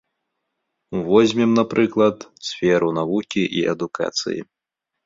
Возьмем, напрыклад, сферу навукі і адукацыі.